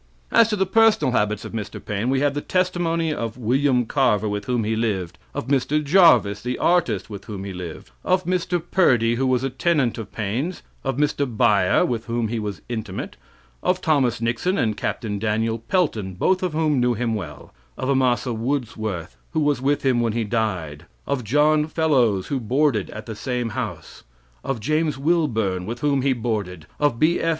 As to the personal habits of Mr. Paine, we have the testimony of William Carver; with whom he lived; of Mr. Jarvis, the artist, with whom he lived; of Mr. Purdy, who was a tenant of Paine's; of Mr. Buyer, with whom he was intimate; of Thomas Nixon and Capt. Daniel Pelton, both of whom knew him well; of Amasa Woodsworth, who was with him when he died; of John Fellows, who boarded at the same house; of James Wilburn, with whom he boarded; of B.F.